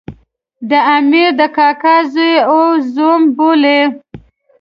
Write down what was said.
د امیر د کاکا زوی او زوم بولي.